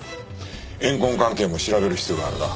怨恨関係も調べる必要があるな。